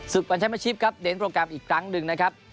ศึกวันใช้ประชิปครับเด้นโปรแกรมอีกครั้งหนึ่งนะครับ